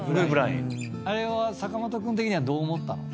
あれは坂本君的にはどう思ったの？